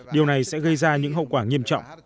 điều này sẽ gây ra những hậu quả nghiêm trọng